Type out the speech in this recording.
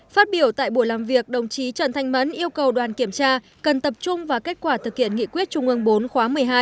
phát biểu tại buổi làm việc đồng chí trần thanh mẫn yêu cầu đoàn kiểm tra cần tập trung vào kết quả thực hiện nghị quyết trung ương bốn khóa một mươi hai